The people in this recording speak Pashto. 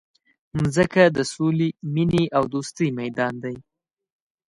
مځکه د سولي، مینې او دوستۍ میدان دی.